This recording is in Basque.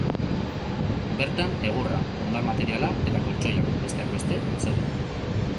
Bertan egurra, hondar materiala eta koltxoiak, besteak beste, zeuden.